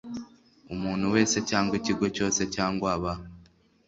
Umuntu wese cyangwa ikigo cyose cyangwa ba